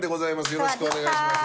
よろしくお願いします。